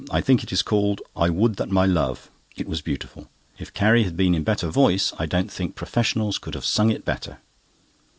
I think it is called, "I would that my love!" It was beautiful. If Carrie had been in better voice, I don't think professionals could have sung it better.